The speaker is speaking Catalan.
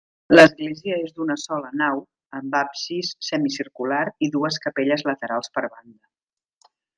L'església és d'una sola nau amb absis semicircular i dues capelles laterals per banda.